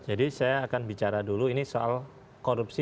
jadi saya akan bicara dulu